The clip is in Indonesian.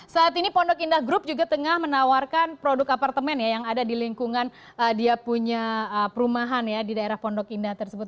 saat ini pondok indah group juga tengah menawarkan produk apartemen ya yang ada di lingkungan dia punya perumahan di daerah pondok indah tersebut